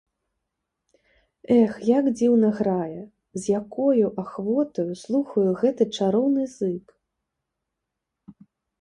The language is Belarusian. Эх, як дзіўна грае, з якою ахвотаю слухаю гэты чароўны зык!